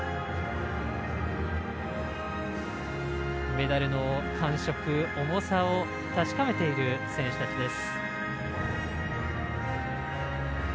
メダルの感触、重さを確かめている選手たちです。